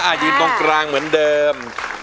ยืนตรงกลางเหมือนเดิม